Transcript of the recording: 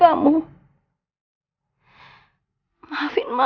bapak ada di sini ya